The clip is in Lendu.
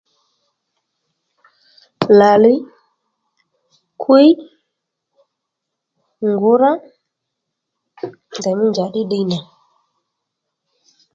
Làliy, kwíy, ngǔrá ndèymí njàddí ddiy nà